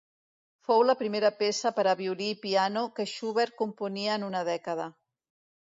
Fou la primera peça per a violí i piano que Schubert componia en una dècada.